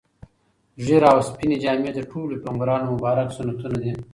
ږیره او سپینې جامې د ټولو پیغمبرانو مبارک سنتونه دي.